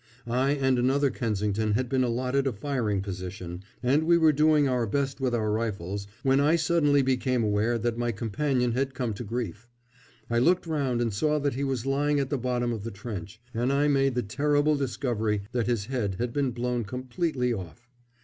I and another Kensington had been allotted a firing position, and we were doing our best with our rifles when I suddenly became aware that my companion had come to grief. I looked round and saw that he was lying at the bottom of the trench and I made the terrible discovery that his head had been blown completely off.